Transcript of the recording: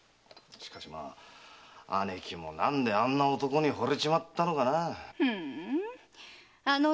しかしまあ姉貴も何であんな男に惚れちまったのかなあ？